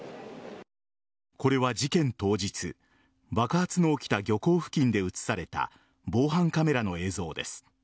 これは、事件当日爆発の起きた漁港付近で映された防犯カメラの映像です。